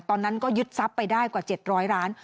ตอนนั้นก็ยึดทรัพย์ไปได้กว่า๗๐๐ล้าน